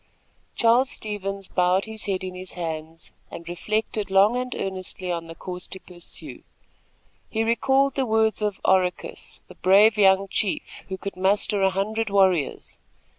Charles Stevens bowed his head in his hands and reflected long and earnestly on the course to pursue. He recalled the words of Oracus, the brave young chief, who could muster a hundred warriors.